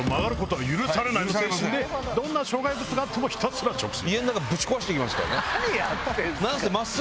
どんな障害物があってもひたすら直進。